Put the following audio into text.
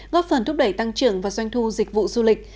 góp phần thúc đẩy tăng trưởng và doanh thu dịch vụ du lịch